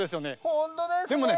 ほんとですね。